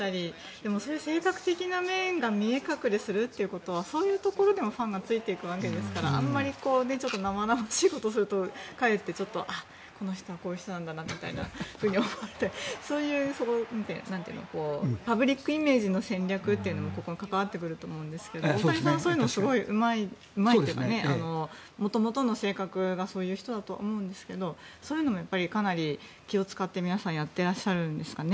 でも性格的な面が見え隠れするということはそういうところでもファンがついていくわけですからあまり生々しいことをするとかえってああ、この人はこういう人なんだなと思われたりそういうパブリックイメージの戦略というのにもここに関わってくると思うんですけど大谷さんはそういうのがすごいうまいのでもともとの性格がそういう人だと思うんですけどそういうのもかなり気を使って皆さんやってらっしゃるんですかね。